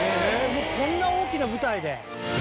もうこんな大きな舞台で。